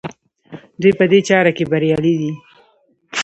دوی په دې چاره کې بریالي دي.